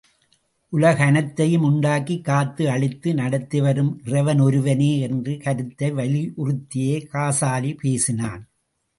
உலகனைத்தையும் உண்டாக்கிக் காத்து அழித்து நடத்தி வரும் இறைவன் ஒருவனே, என்ற கருத்தை வலியுறுத்தியே காசாலி பேசினான்.